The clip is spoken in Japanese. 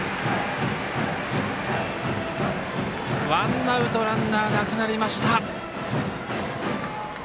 ワンアウトランナーなくなりました。